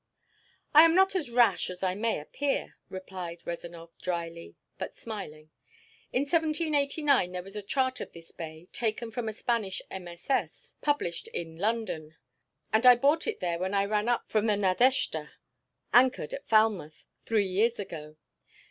"I am not as rash as I may appear," replied Rezanov dryly, but smiling. "In 1789 there was a chart of this bay, taken from a Spanish MSS., published in London; and I bought it there when I ran up from the Nadeshda anchored at Falmouth three years ago.